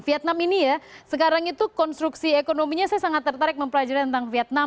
vietnam ini ya sekarang itu konstruksi ekonominya saya sangat tertarik mempelajari tentang vietnam